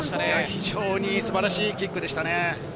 非常に素晴らしいキックでしたね。